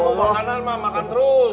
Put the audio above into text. kamu makanan mak makan terus